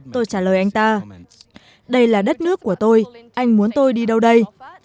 tôi trả lời anh ta đây là đất nước của tôi anh muốn tôi đi đâu đây